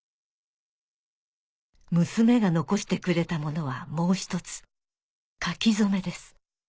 娘が残してくれたものはもう１つ書き初めです